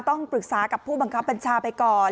ต้องปรึกษากับผู้บังคับบัญชาไปก่อน